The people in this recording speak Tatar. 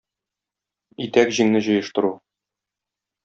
Итәк-җиңне җыештыру.